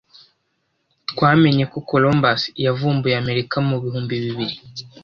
Twamenye ko Columbus yavumbuye Amerika mu bihimbi bibiri.